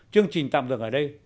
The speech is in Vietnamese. chương trình tạm dừng ở đây